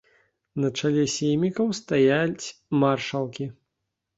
На чале сеймікаў стаяць маршалкі.